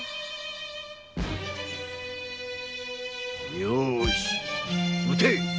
よし撃て！